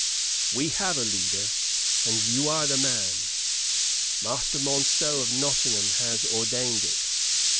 "We have a leader, and you are the man! Master Monceux of Nottingham has ordained it.